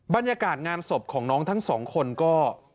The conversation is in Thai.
บรรยากาศงานศพของน้องทั้งสองคนก็